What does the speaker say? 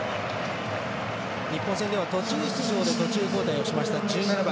日本戦では途中出場で途中交代をしました１７番。